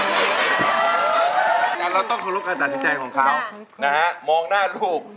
ฟังไปแล้วตัวช่วยหมดแล้ว